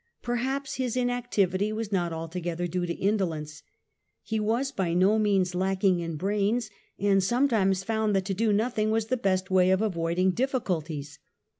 Perhaps his inactivity was not altogether due to indolence. He was by no means lacking in brains, and sometimes found that to do nothing was the best way of avoiding difficulties.